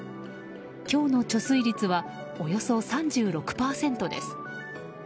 今日の貯水率はおよそ３６％です。